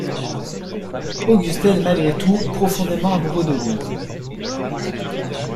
Augusten est malgré tout profondément amoureux de lui.